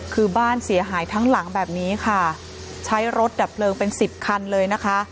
คือบ้านเสียหายทั้งหลังแบบนี้ค่ะใช้รถดับเพลิงเป็นสิบคันเลยนะคะ